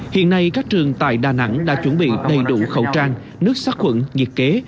hiện nay các trường tại đà nẵng đã chuẩn bị đầy đủ khẩu trang nước sát quẩn nhiệt kế